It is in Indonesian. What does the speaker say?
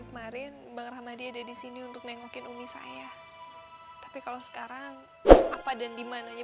kemarin bang rahmadi ada di sini untuk nengokin umi saya tapi kalau sekarang apa dan dimananya